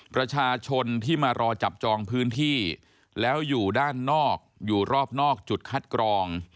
ประชาชนที่มารอจับจองพื้นที่แล้วอยู่ด้านนอกอยู่รอบนอกจุดคัดกรอง